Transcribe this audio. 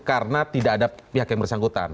karena tidak ada pihak yang bersangkutan